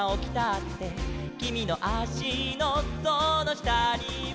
「きみのあしのそのしたには」